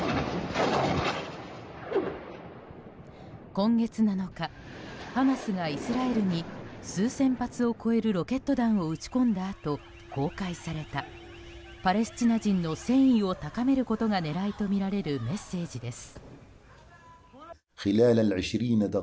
今月７日、ハマスがイスラエルに数千発を超えるロケット弾を撃ち込んだあと公開されたパレスチナ人の戦意を高めることが狙いとみられるメッセージです。